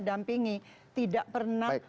dampingi tidak pernah